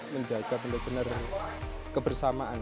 menjaga benar benar kebersamaan